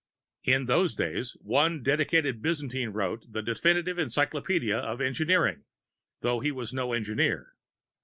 In those days, one dedicated Byzantine wrote the definitive encyclopedia of engineering (though he was no engineer).